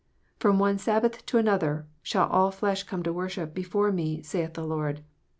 " From one Sabbath to another shall all flesh come to worship before Me, saith the Lord."